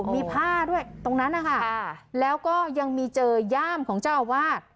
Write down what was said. มีผ้าด้วยตรงนั้นนะคะแล้วก็ยังมีเจอย่ามของเจ้าอาวาส